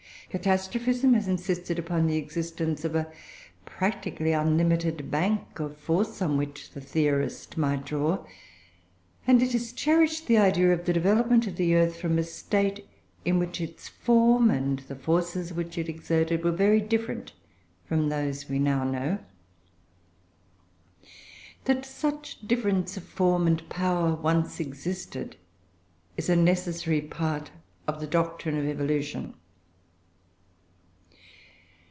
CATASTROPHISM has insisted upon the existence of a practically unlimited bank of force, on which the theorist might draw; and it has cherished the idea of the development of the earth from a state in which its form, and the forces which it exerted, were very different from those we now know. That such difference of form and power once existed is a necessary part of the doctrine of evolution.